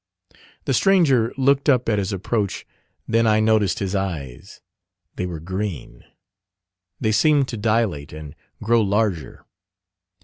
The stranger looked up at his approach; then I noticed his eves. They were green: they seemed to dilate and grow larger.